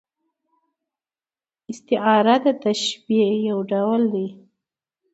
استعاره د تشبیه یو ډول دئ.